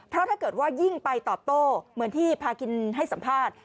เพราะถ้าเกิดว่ายิ่งไปตอบโต้เหมือนที่พากินให้สัมภาษณ์